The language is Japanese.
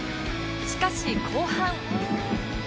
しかし後半